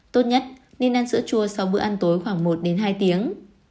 tốt nhất nên ăn sữa chua sau bữa ăn tối khoảng một đến hai tiếng